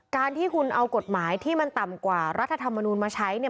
การที่คุณเอากฎหมายที่มันต่ำกว่ารัฐธรรมนูลมาใช้เนี่ย